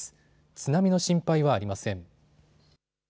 津波の心配はありません。